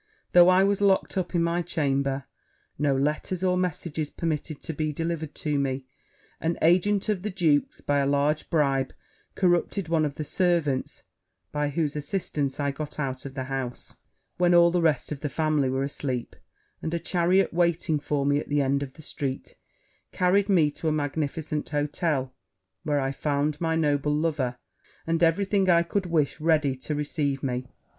Though I was locked up in my chamber, no letters or messages permitted to be delivered to me, an agent of the duke's, by a large bribe, corrupted one of the servants, by whose assistance I got out of the house when all the rest of the family were asleep; and a chariot, waiting for me at the end of the street, carried me to a magnificent hotel; where I found my noble lover, and every thing I could wish, ready to receive me.